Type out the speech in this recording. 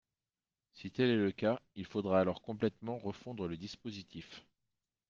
Si tel est le cas, il faudra alors complètement refondre le dispositif.